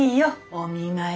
お見舞い。